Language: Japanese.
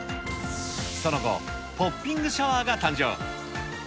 その後、ポッピングシャワーが誕生。